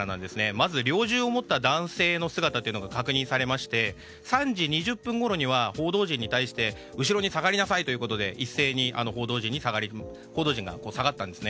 まず猟銃を持った男性の姿が確認されまして３時２０分ごろには報道陣に対して後ろに下がりなさいということで一斉に報道陣が下がったんです。